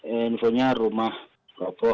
ini infonya rumah roboh